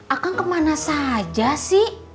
akan kemana saja sih